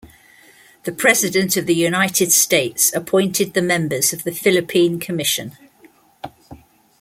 The President of the United States appointed the members of the Philippine Commission.